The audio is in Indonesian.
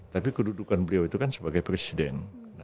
tapi kedudukan beliau itu kan sebagai presiden